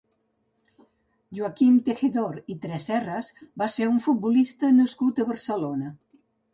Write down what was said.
Joaquim Tejedor i Treserras va ser un futbolista nascut a Barcelona.